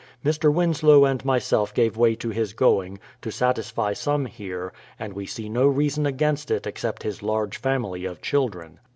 Mr. Winslow and myself gave way to his going, to satisfy some here, and we see no reason against it except his large family of children.